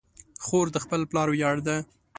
خور د خپل پلار ویاړ ده.